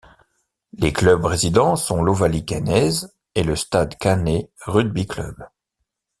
Les clubs résidents sont l'Ovalie caennaise et le Stade Caennais Rugby Club.